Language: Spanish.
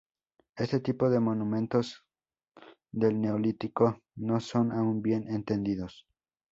Este tipo de monumentos del Neolítico no son aún bien entendidos.